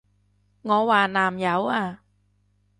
我話南柚啊！